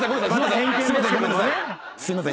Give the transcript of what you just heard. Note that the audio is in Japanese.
すいません。